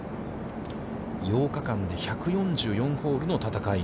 ８日間で１４４ホールの戦い。